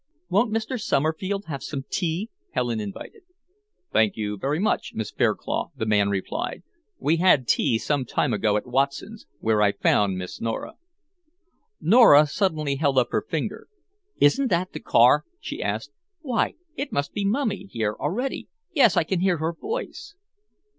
"Won't Mr. Somerfield have some tea?" Helen invited. "Thank you very much, Miss Fairclough," the man replied; "we had tea some time ago at Watson's, where I found Miss Nora." Nora suddenly held up her finger. "Isn't that the car?" she asked. "Why, it must be mummy, here already. Yes, I can hear her voice!"